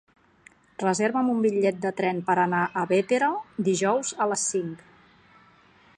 Reserva'm un bitllet de tren per anar a Bétera dijous a les cinc.